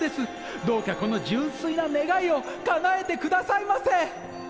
どうかこの純粋な願いを叶えてくださいませ！